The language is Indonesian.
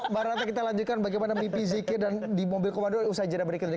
mbak radha kita lanjutkan bagaimana mimpi zikir dan di mobil komando usai jenak berikutnya